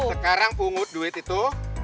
sekarang pungut duit itu